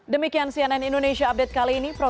demikian cnn indonesia update kali ini